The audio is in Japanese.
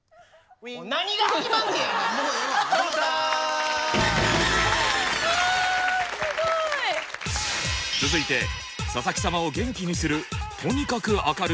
続いて佐々木様を元気にするとにかく明るい芸人は。